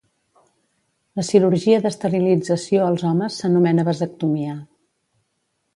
La cirurgia d'esterilització als homes s'anomena vasectomia.